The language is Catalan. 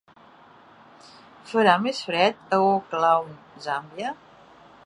Farà més fred a Oaklawn Zambia?